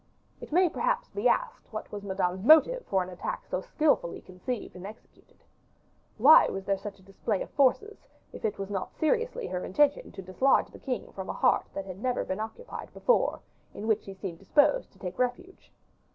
It may perhaps be asked what was Madame's motive for an attack so skillfully conceived and executed. Why was there such a display of forces, if it were not seriously her intention to dislodge the king from a heart that had never been occupied before, in which he seemed disposed to take refuge?